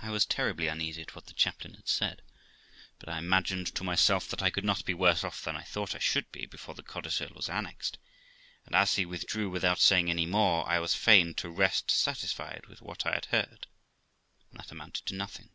I was terribly uneasy at what the chaplain had said, but I imagined to myself that I could not be worse off than I thought I should be before the codicil was annexed ; and, as he withdrew without saying any more, I was fain to rest satisfied with what I had heard, and that amounted to nothing.